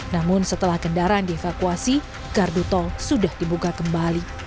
namun setelah kendaraan dievakuasi gardu tol sudah dibuka kembali